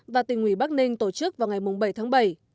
và tỉnh ủy bắc ninh tổ chức vào ngày bảy tháng bảy